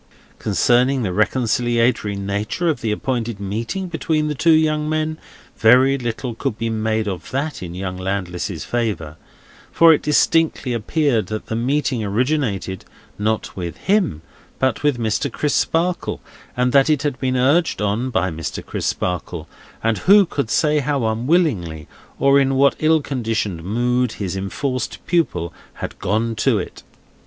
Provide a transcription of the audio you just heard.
Concerning the reconciliatory nature of the appointed meeting between the two young men, very little could be made of that in young Landless's favour; for it distinctly appeared that the meeting originated, not with him, but with Mr. Crisparkle, and that it had been urged on by Mr. Crisparkle; and who could say how unwillingly, or in what ill conditioned mood, his enforced pupil had gone to it?